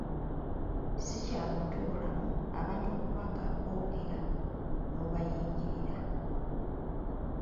Si kya buntubulamu abantu okuba nga boogera n’obayingirira.